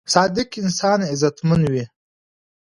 صادق انسان عزتمن وي.